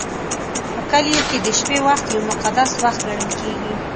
په کلیو کې د شپې وخت یو مقدس وخت ګڼل کېږي.